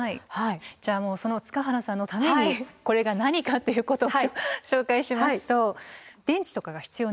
じゃあもうその塚原さんのためにこれが何かっていうことを紹介しますと電池とかが必要ないんです。